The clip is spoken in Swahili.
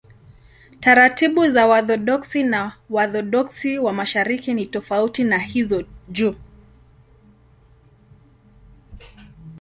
Taratibu za Waorthodoksi na Waorthodoksi wa Mashariki ni tofauti na hizo juu.